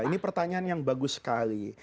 ini pertanyaan yang bagus sekali